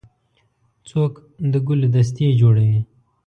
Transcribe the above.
څوک د ګلو دستې جوړوي.